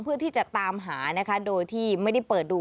เพื่อที่จะตามหานะคะโดยที่ไม่ได้เปิดดู